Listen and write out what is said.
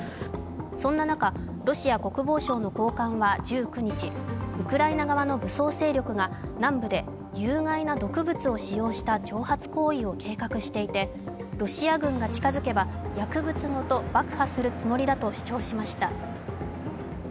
そんな中、ロシア国防省の高官は１９日、ウクライナ側の武装勢力が南部で有害な毒物を使用した挑発行為を計画していてロシア軍が近づけば薬物ごと爆破するつもりだと主張しました。